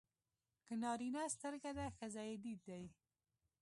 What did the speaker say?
که نارینه سترګه ده ښځه يې دید دی.